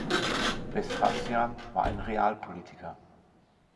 Vespasian war ein Realpolitiker.